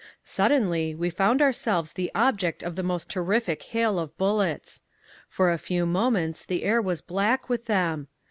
Suddenly we found ourselves the object of the most terrific hail of bullets. For a few moments the air was black with them.